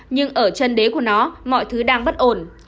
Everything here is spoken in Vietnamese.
nhưng ở chân đế của nó mọi thứ đang bất ổn